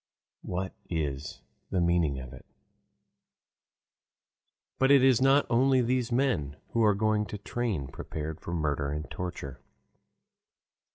What is the meaning of it? But it is not only these men who are going by train prepared for murder and torture.